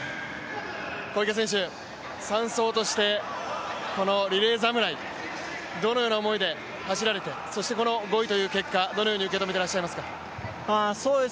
小池選手、３走としてこのリレー侍、どのような思いで走られて、そしてこの５位という結果、どのように受け止めていらっしゃいますか？